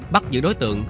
bắt giữ đối tượng